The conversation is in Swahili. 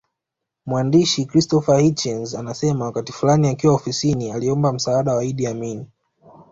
Mwandishi Christopher Hitchens anasema wakati fulani akiwa ofisini aliomba msaada wa Idi Amin